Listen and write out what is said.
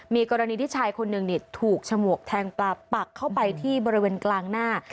มีกรณีที่ชายคนหนึ่งถูกฉมวกแทงปลาปักเข้าไปที่บริเวณกลางหน้า